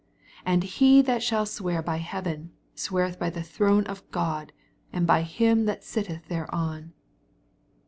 22 And he that shall swear bv he»ven, sweareth by the throne of God, and by him that sitteth there on.